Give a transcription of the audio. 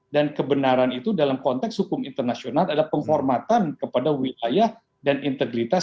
dan kebenaran itu dalam konteks hukum internasional adalah penghormatan kepada wilayah dan integritas